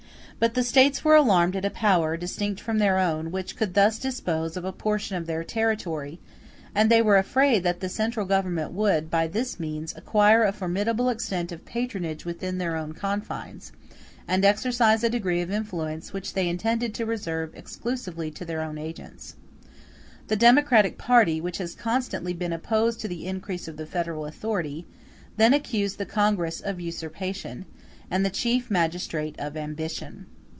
But the States were alarmed at a power, distinct from their own, which could thus dispose of a portion of their territory; and they were afraid that the central Government would, by this means, acquire a formidable extent of patronage within their own confines, and exercise a degree of influence which they intended to reserve exclusively to their own agents. The Democratic party, which has constantly been opposed to the increase of the federal authority, then accused the Congress of usurpation, and the Chief Magistrate of ambition.